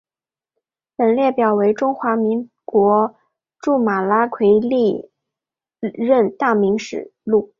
本列表为中华民国驻巴拉圭历任大使名录。